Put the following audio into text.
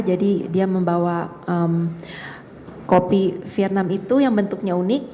jadi dia membawa kopi vietnam itu yang bentuknya unik